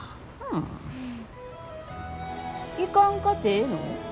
行かんかてええの？